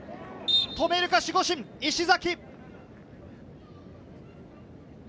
止めるか守護神・石崎。